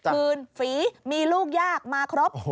คืนฝีมีลูกยากมาครบ